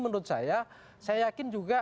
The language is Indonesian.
menurut saya saya yakin juga